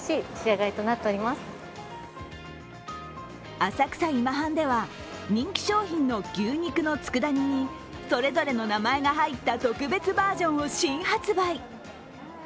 浅草今半では人気商品の牛肉の佃煮にそれぞれの名前が入った特別バージョンを新発売。